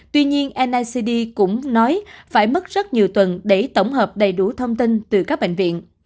tuy nhiên nicd cũng nói phải mất rất nhiều tuần để tổng hợp đầy đủ thông tin từ các bệnh viện